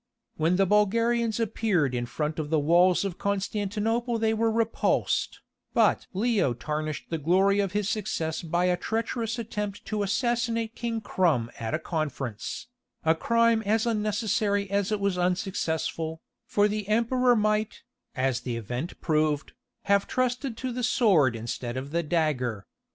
When the Bulgarians appeared in front of the walls of Constantinople they were repulsed, but Leo tarnished the glory of his success by a treacherous attempt to assassinate King Crumn at a conference—a crime as unnecessary as it was unsuccessful, for the Emperor might, as the event proved, have trusted to the sword instead of the dagger.